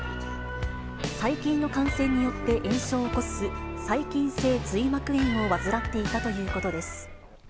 細菌の感染によって炎症を起こす、細菌性髄膜炎を患っていたということです。